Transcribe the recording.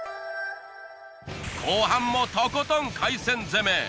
後半もとことん海鮮攻め！